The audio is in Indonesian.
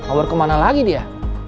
awal kemana lagi dia